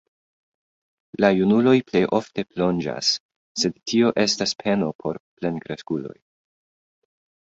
La junuloj pli ofte plonĝas, sed tio estas peno por plenkreskuloj.